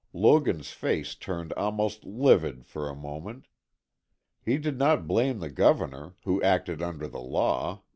Logan's face turned almost livid for a moment. He did not blame the Governor, who acted under the law.